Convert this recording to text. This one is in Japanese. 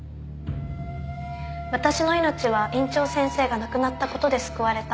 私の命は院長先生が亡くなった事で救われた。